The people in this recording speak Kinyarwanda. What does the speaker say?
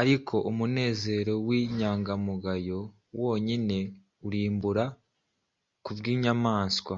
Ariko umunezero w'inyangamugayo Wonyine urimbura Kubwinyamanswa.